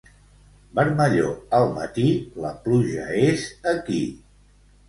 Vermellor al matí, la pluja és aquí.